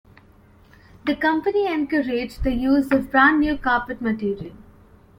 The company encouraged the use of brand new carpet material.